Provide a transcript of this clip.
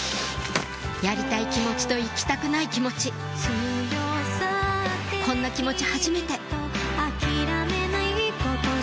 やりたい気持ちと行きたくない気持ちこんな気持ち